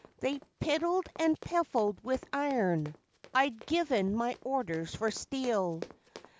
They piddled and piffled with iron: I'd given my orders for steel.